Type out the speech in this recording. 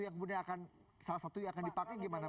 yang kemudian akan salah satu yang akan dipakai gimana